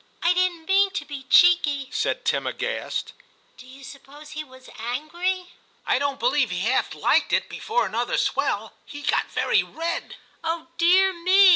* I didn't mean to be cheeky,' said Tim, aghast ;* do you suppose he was angry ?' VII TIM 147 ' I don't believe he half liked it, before another swell ; he got very red.' ' Oh dear me